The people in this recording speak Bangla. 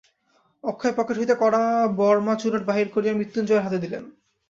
অক্ষয় পকেট হইতে কড়া বর্মা চুরোট বাহির করিয়া মৃত্যুঞ্জয়ের হাতে দিলেন।